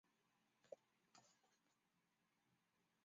夷隅市是千叶县房总半岛东南部的一市。